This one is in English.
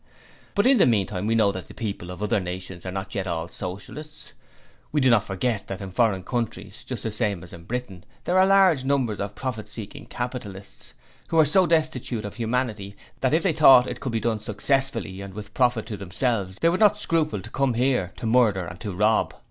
But in the meantime we know that the people of other nations are not yet all Socialists; we do not forget that in foreign countries just the same as in Britain there are large numbers of profit seeking capitalists, who are so destitute of humanity, that if they thought it could be done successfully and with profit to themselves they would not scruple to come here to murder and to rob.